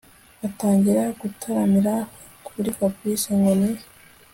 batangira gutaramira kuri Fabric ngo ni